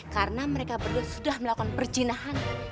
karena mereka berdua sudah melakukan perjinahan